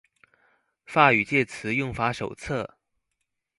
法語介詞用法手冊